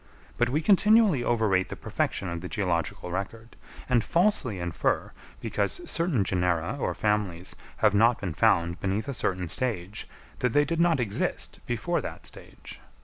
But we continually overrate the perfection of the geological record, and falsely infer, because certain genera or families have not been found beneath a certain stage, that they did not exist before that stage.